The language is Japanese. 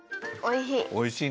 おいしい。